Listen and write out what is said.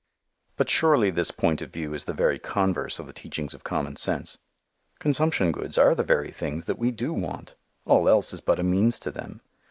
But surely this point of view is the very converse of the teachings of common sense. "Consumption goods" are the very things that we do want. All else is but a means to them.